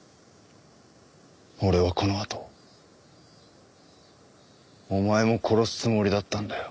俺はこのあとお前も殺すつもりだったんだよ。